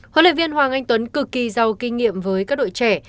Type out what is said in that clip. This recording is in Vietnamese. huấn luyện viên hoàng anh tuấn cực kỳ giàu kinh nghiệm với các đội trẻ